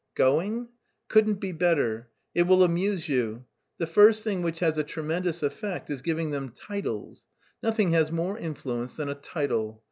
"Going? Couldn't be better. It will amuse you: the first thing which has a tremendous effect is giving them titles. Nothing has more influence than a title.